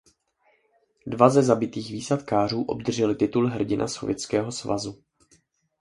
Dva ze zabitých výsadkářů obdrželi titul Hrdina Sovětského svazu.